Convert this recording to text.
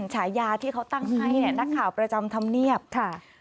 ฉายาที่เขาตั้งให้เนี่ยนักข่าวประจำธรรมเนียบค่ะ